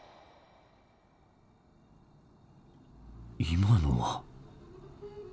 今のは？